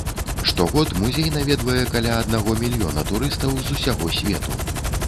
Штогод музей наведвае каля аднаго мільёна турыстаў з усяго свету.